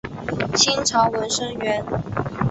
清朝文生员。